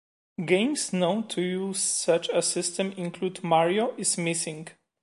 Games known to use such a system include Mario Is Missing!